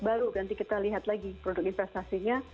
baru nanti kita lihat lagi produk investasinya